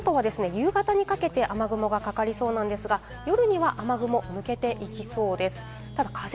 関東は夕方にかけて、雨雲がかかりそうなんですが、夜には雨雲、抜けていきそうです。